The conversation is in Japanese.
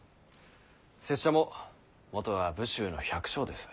拙者ももとは武州の百姓です。